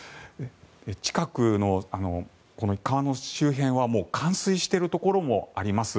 近くの川の周辺はもう冠水しているところもあります。